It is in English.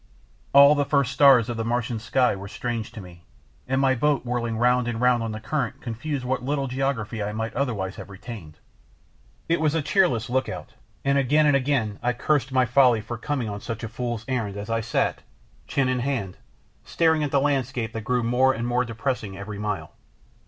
All the first stars of the Martian sky were strange to me, and my boat whirling round and round on the current confused what little geography I might otherwise have retained. It was a cheerless look out, and again and again I cursed my folly for coming on such a fool's errand as I sat, chin in hand, staring at a landscape that grew more and more depressing every mile.